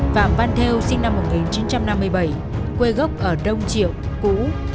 phạm văn thêu sinh năm một nghìn chín trăm năm mươi bảy quê gốc ở đông triệu